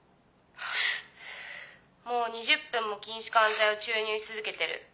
もう２０分も筋弛緩剤を注入し続けてる。